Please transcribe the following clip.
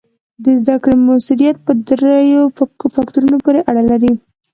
د زده کړې مؤثریت په دریو فکتورونو پورې اړه لري.